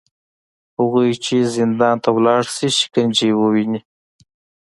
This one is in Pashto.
هغوی چې زندان ته لاړ شي، شکنجې وویني